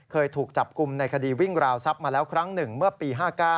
เคยถูกจับกลุ่มในคดีวิ่งราวทรัพย์มาแล้วครั้งหนึ่งเมื่อปี๕๙